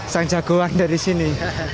sang jagoan dari sini